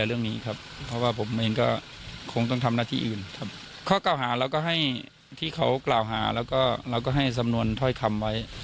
เราก็ให้ที่เขากล่าวหาเราก็ให้สำนวนถ้อยคำไว้